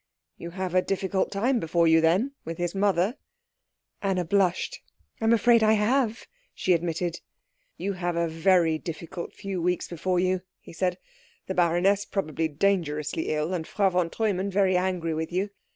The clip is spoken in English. "You have a difficult time before you, then, with his mother." Anna blushed. "I am afraid I have," she admitted. "You have a very difficult few weeks before you," he said. "The baroness probably dangerously ill, and Frau von Treumann very angry with you.